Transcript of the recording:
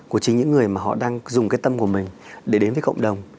của chính những người mà họ đang dùng cái tâm của mình để đến với cộng đồng